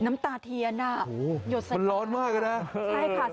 น้ำตาเทียนอ่ะโอ้โหมันร้อนมากนะใช่ค่ะ